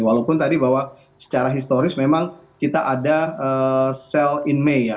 walaupun tadi bahwa secara historis memang kita ada sell in may ya